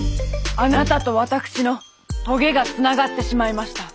あなたと私の棘がつながってしまいました。